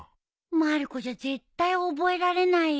まる子じゃ絶対覚えられないよ。